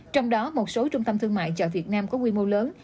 trong đó một số trung tâm thương mại chợ việt nam có quy mô lớn